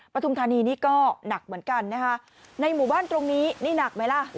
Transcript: ปฐุมธานีนี่ก็หนักเหมือนกันนะคะในหมู่บ้านตรงนี้นี่หนักไหมล่ะ